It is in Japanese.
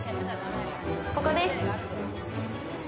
ここです。